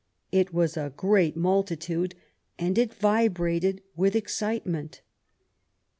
It was a great multitude and it vibrated with excitement.